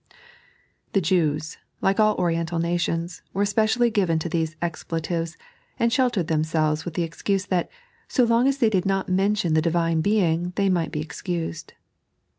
The Jews, like all Oriental nations, were especially given to these expletives, and sheltered themselves with the excuse that, so long as they did not mention the Divine Being, they might be excused.